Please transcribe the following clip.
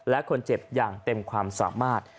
และคนเจ็บอย่างเต็มความสามารถ